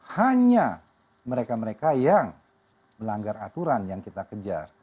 hanya mereka mereka yang melanggar aturan yang kita kejar